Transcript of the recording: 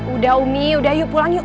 udah umi udah yuk pulang yuk